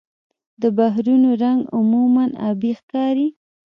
د بحرونو رنګ عموماً آبي ښکاري.